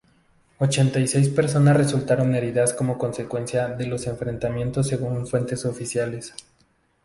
Ochenta y seis personas resultaron heridas como consecuencia de los enfrentamientos según fuentes oficiales.